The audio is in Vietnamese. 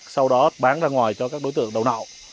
sau đó bán ra ngoài cho các đối tượng đầu nậu